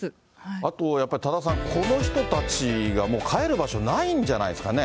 あとやっぱり、多田さん、この人たちがもう帰る場所ないんじゃないですかね。